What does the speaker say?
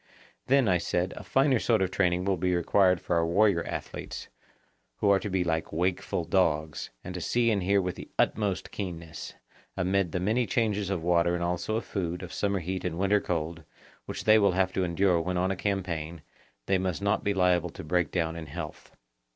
Then, I said, a finer sort of training will be required for our warrior athletes, who are to be like wakeful dogs, and to see and hear with the utmost keenness; amid the many changes of water and also of food, of summer heat and winter cold, which they will have to endure when on a campaign, they must not be liable to break down in health.